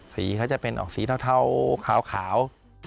สีเขาจะเป็นออกสีเทาขาว